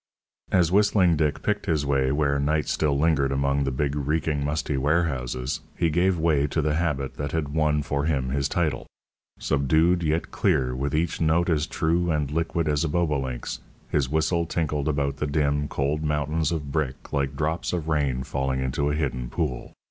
As Whistling Dick picked his way where night still lingered among the big, reeking, musty warehouses, he gave way to the habit that had won for him his title. Subdued, yet clear, with each note as true and liquid as a bobolink's, his whistle tinkled about the dim, cold mountains of brick like drops of rain falling into a hidden pool.